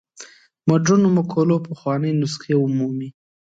مډرنو مقولو پخوانۍ نسخې ومومي.